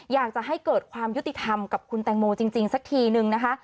อยากจะให้เกิดความยุติธรรมกับคุณแตงโมจริงสักทีนึงนะคะ